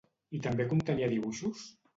I també contenia dibuixos?